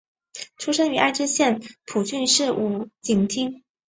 出身于爱知县蒲郡市五井町。